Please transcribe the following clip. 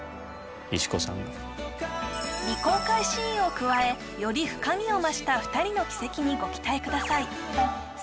石子さんが未公開シーンを加えより深みを増した２人の軌跡にご期待ください